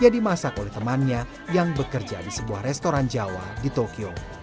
dimasak oleh temannya yang bekerja di sebuah restoran jawa di tokyo